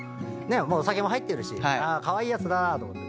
もうお酒も入ってるしカワイイやつだなと思って。